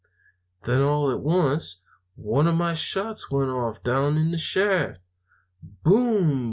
"Then, all at once, one of my shots went off down in the shaft. "'Boom!'